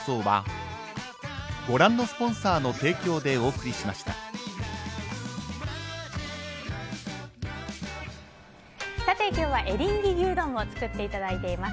ぷっ事実「特茶」今日はエリンギ牛丼を作っていただいています。